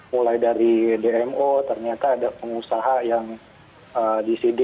mulai dari dmo ternyata ada pengusaha yang disidik